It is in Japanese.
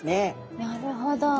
なるほど。